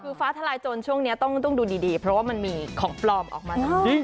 คือฟ้าทะลายจนช่วงนี้ต้องดูดีเพราะมันมีของปลอมออกมาบรรทานตรฐาน